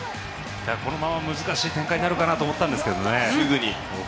このまま難しい展開になるかなと思ったんですけどね。